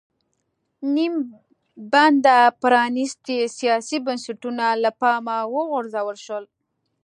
نیم بنده پرانېستي سیاسي بنسټونه له پامه وغورځول شول.